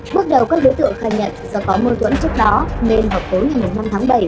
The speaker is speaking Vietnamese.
bước đầu các đứa tựa khai nhận do có môi tuẫn trước đó nên họp tố ngày năm tháng bảy